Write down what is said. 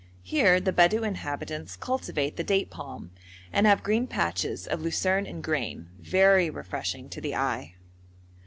Here the Bedou inhabitants cultivate the date palm, and have green patches of lucerne and grain, very refreshing to the eye.